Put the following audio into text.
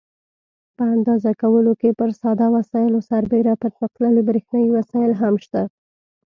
په اندازه کولو کې پر ساده وسایلو سربېره پرمختللي برېښنایي وسایل هم شته.